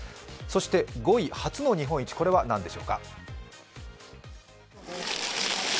そして５位、初の日本一、これは何でしょうか？